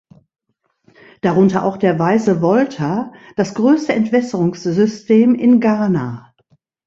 Darunter auch der Weiße Volta, das größte Entwässerungssystem in Ghana.